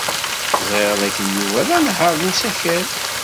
Ẓriɣ dakken Yuba d anehhaṛ n usakal.